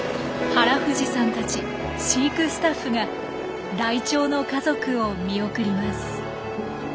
原藤さんたち飼育スタッフがライチョウの家族を見送ります。